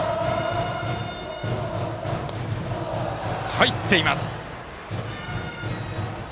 入っています。